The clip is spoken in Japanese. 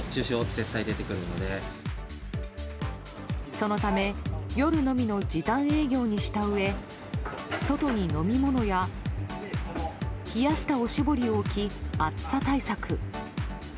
そのため夜のみの時短営業にしたうえ外に、飲み物や冷やしたおしぼりを置き暑さ対策。